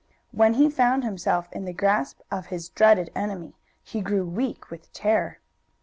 When he found himself in the grasp of his dreaded enemy, he grew weak with terror.